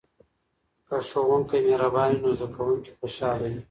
که ښوونکی مهربانه وي نو زده کوونکي خوشحاله وي.